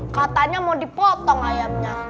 katanya mau dipotong ayamnya